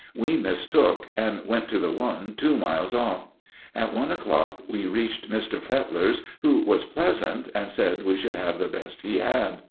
We mistook, and went to the one two miles off. At one o'clock we reached Mr. Fetler's, who was pleasant, and said we should have the best he had.